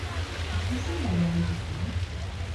Ikusi nahi al dituzue?